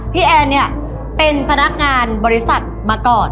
แอนเนี่ยเป็นพนักงานบริษัทมาก่อน